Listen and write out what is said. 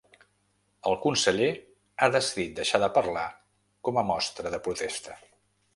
El conseller ha decidit deixar de parlar com a mostra de protesta.